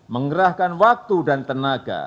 mengerahkan waktu dan tenaga